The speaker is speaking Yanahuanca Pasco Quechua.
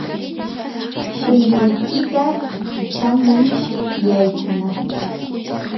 punkuykiyta kichamuy yaykunapaq.